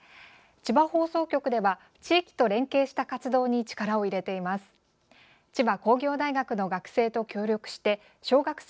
千葉放送局では地域と連携した活動に力を入れています。